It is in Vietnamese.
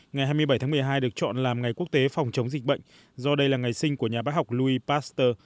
ngày hai mươi bảy tháng một mươi hai được chọn làm ngày quốc tế phòng chống dịch bệnh do đây là ngày sinh của nhà bác học louis pasteur